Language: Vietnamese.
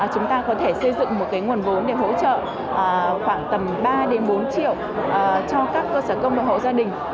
chúng ta có thể xây dựng một nguồn vốn để hỗ trợ khoảng tầm ba bốn triệu cho các cơ sở công và hộ gia đình